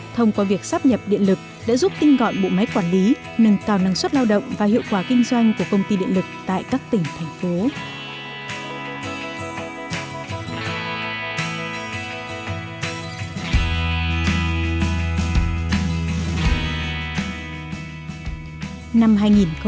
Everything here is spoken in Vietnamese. thông qua việc sắp nhập điện lực đã giúp tinh gọn bộ máy quản lý nâng cao năng suất lao động và hiệu quả kinh doanh của công ty điện lực tại các tỉnh thành phố